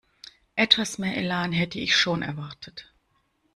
Etwas mehr Elan hätte ich schon erwartet.